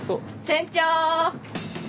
船長！